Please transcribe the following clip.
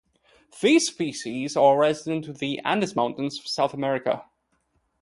These species are resident in the Andes Mountains of South America.